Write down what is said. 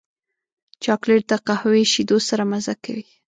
چاکلېټ د قهوې شیدو سره مزه کوي.